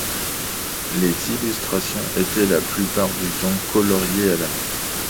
Les illustrations étaient la plupart du temps coloriées à la main.